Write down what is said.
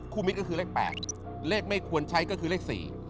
มิตรก็คือเลข๘เลขไม่ควรใช้ก็คือเลข๔